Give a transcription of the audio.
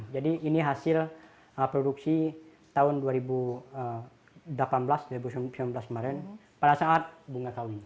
ini hasil produksi tahun dua ribu delapan belas dua ribu sembilan belas kemarin pada saat bunga tahun ini